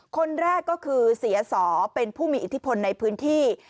คนแรกก็คือเสียสอเป็นผู้มีอิทธิพลในพื้นที่